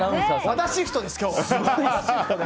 和田シフトです、今日は。